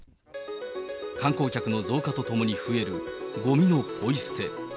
観光客の増加とともに増えるごみのポイ捨て。